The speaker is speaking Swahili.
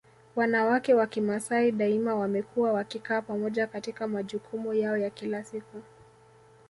Wanawake wa Kimasai daima wamekuwa wakikaa pamoja katika majukumu yao ya kila siku